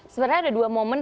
sebenarnya ada dua momen